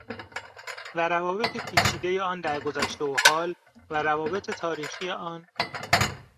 و روابط پیچیده آن در گذشته و حال و روابط تاریخی آن